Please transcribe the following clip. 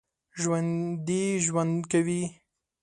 ژوندي ژوند کوي